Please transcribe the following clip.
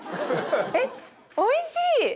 えっおいしい！